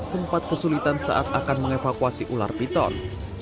sempat kesulitan saat akan mengevakuasi ular piton